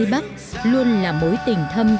lê bắc luôn là mối tình thâm